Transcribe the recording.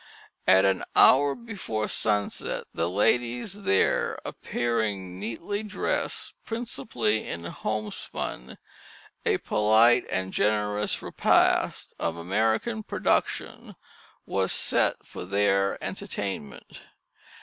At an hour before sunset, the ladies there appearing neatly dressed, principally in homespun, a polite and generous repast of American production was set for their entertainment.